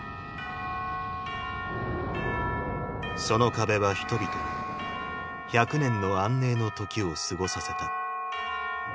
その壁は人々に１００年の安寧の時を過ごさせた。